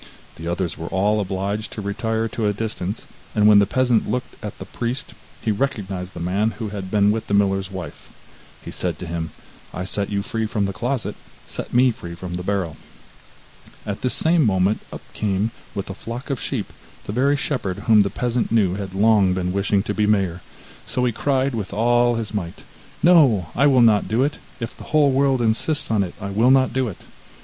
The others were all obliged to retire to a distance, and when the peasant looked at the priest, he recognized the man who had been with the miller's wife. He said to him: 'I set you free from the closet, set me free from the barrel.' At this same moment up came, with a flock of sheep, the very shepherd whom the peasant knew had long been wishing to be mayor, so he cried with all his might: 'No, I will not do it; if the whole world insists on it, I will not do it!